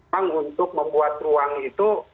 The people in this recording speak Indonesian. membuat ruang itu